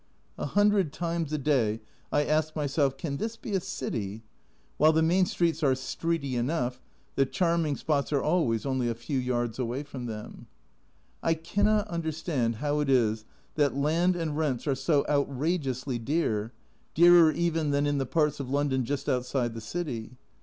A hundred times a day I ask A Journal from Japan 33 myself, " Can this be a city ?" While the main streets are "streety " enough, the charming spots are always only a few yards away from them. I cannot understand how it is that land and rents are so outrageously dear, dearer even than in the parts of London just outside the city.